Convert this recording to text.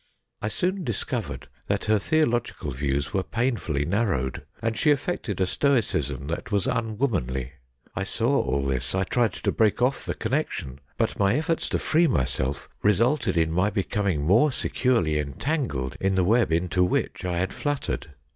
I soon discovered that her theological views were painfully narrowed, and she affected a stoicism that was unwomanly. I saw all this, I tried to break off the connection, but my efforts to free myself resulted in my becoming more securely entangled in the web into which I had fluttered.